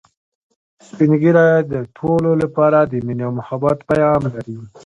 سپین ږیری د ټولو لپاره د ميني او محبت پیغام لري